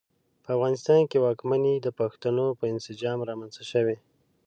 په افغانستان کې واکمنۍ د پښتنو په انسجام رامنځته شوې.